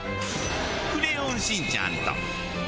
『クレヨンしんちゃん』と。